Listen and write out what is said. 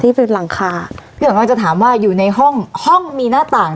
ที่เป็นหลังคาเพื่อนของเราจะถามว่าอยู่ในห้องห้องมีหน้าต่าง